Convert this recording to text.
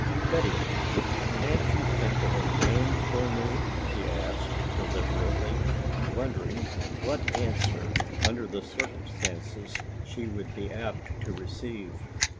"Betty, can't you think of a name for me?" she asked deliberately, wondering what answer under the circumstances she would be apt to receive.